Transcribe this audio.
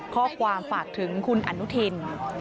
ข้อความฝากถึงคุณอนุทิน